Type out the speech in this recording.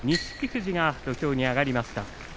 富士が土俵に上がりました。